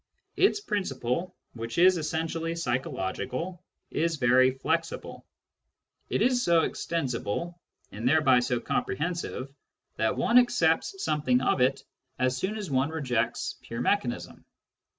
Its principle, which is essentially psychological, is very flexible. It is so extensible, and thereby so com prehensive, that one accepts something of it as soon as one rejects pure mechanism.